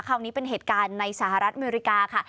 คราวนี้เป็นเหตุการณ์ในสหรัฐอเมริกาค่ะ